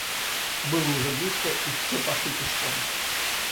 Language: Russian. Было уже близко, и все пошли пешком.